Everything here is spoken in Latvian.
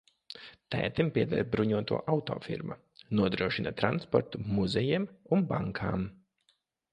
Tētim pieder bruņoto auto firma, nodrošina transportu muzejiem un bankām.